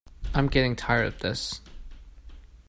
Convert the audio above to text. I’m getting tired of this.